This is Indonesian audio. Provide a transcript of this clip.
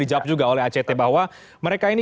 dijawab juga oleh act bahwa mereka ini